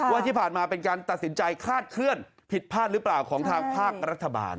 ว่าที่ผ่านมาเป็นการตัดสินใจคาดเคลื่อนผิดพลาดหรือเปล่าของทางภาครัฐบาล